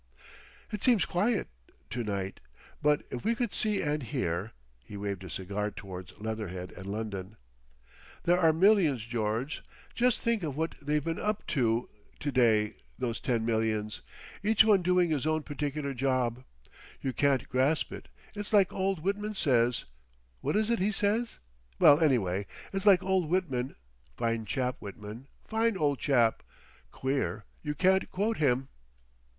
"It seems quiet to—night. But if we could see and hear." He waved his cigar towards Leatherhead and London. "There they are, millions, George. Jes' think of what they've been up to to day—those ten millions—each one doing his own particular job. You can't grasp it. It's like old Whitman says—what is it he says? Well, anyway it's like old Whitman. Fine chap, Whitman! Fine old chap! Queer, you can't quote him.